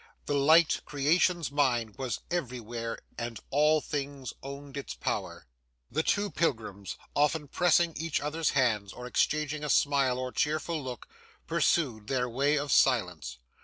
The light, creation's mind, was everywhere, and all things owned its power. The two pilgrims, often pressing each other's hands, or exchanging a smile or cheerful look, pursued their way in silence.